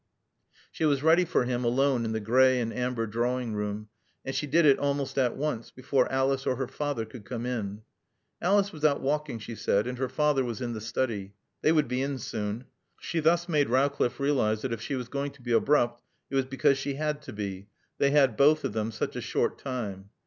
She was ready for him, alone in the gray and amber drawing room, and she did it almost at once, before Alice or her father could come in. Alice was out walking, she said, and her father was in the study. They would be in soon. She thus made Rowcliffe realise that if she was going to be abrupt it was because she had to be; they had both of them such a short time.